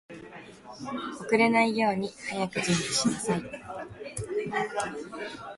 遅れないように早く準備しなさい